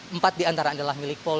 empat diantara adalah milik